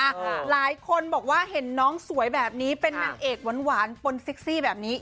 หลายคนบอกว่าเห็นน้องสวยแบบนี้เป็นนางเอกหวานหวานปนเซ็กซี่แบบนี้